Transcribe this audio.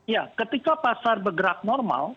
ya ketika pasar bergerak normal